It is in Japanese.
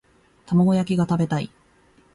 玉子焼きが食べたい